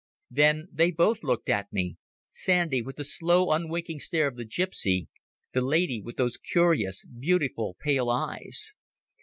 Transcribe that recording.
Then they both looked at me, Sandy with the slow unwinking stare of the gipsy, the lady with those curious, beautiful pale eyes.